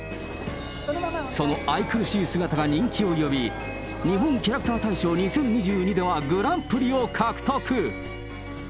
その愛くるしい姿が人気を呼び、日本キャラクター大賞２０２２では、グランプリを獲得。